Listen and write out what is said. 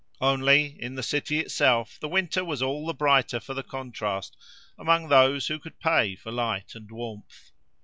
Only, in the city itself the winter was all the brighter for the contrast, among those who could pay for light and warmth.